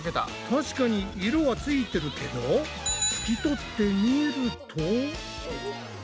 確かに色はついてるけど拭き取ってみると。